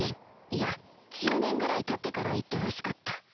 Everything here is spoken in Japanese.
いや１０年ぐらいたってから言ってほしかった